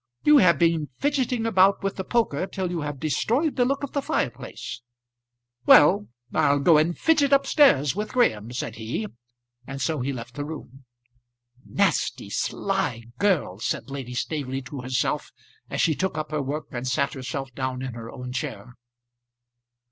You have been fidgeting about with the poker till you have destroyed the look of the fireplace." "Well, I'll go and fidget up stairs with Graham," said he; and so he left the room. "Nasty, sly girl," said Lady Staveley to herself as she took up her work and sat herself down in her own chair.